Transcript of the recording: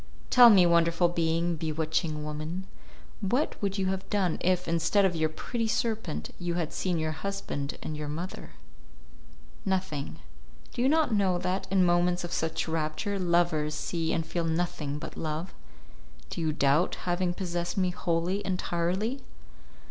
"Tell me, wonderful being, bewitching woman, what would you have done if, instead of your pretty serpent, you had seen your husband and your mother?" "Nothing. Do you not know that, in moments of such rapture, lovers see and feel nothing but love? Do you doubt having possessed me wholly, entirely?"